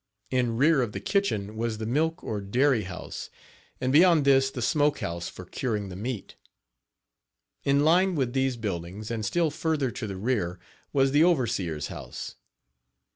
In rear of the kitchen was the milk or dairy house, and beyond this the smoke house for curing the meat. In line with these buildings, and still further to the rear, was the overseer's house.